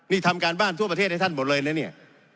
นี่ทำการบ้านทั่วประเทศให้ท่านหมดเลยนะเนี่ย